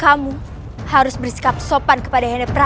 kamu harus bersikap sopan kepada yadav prabu raih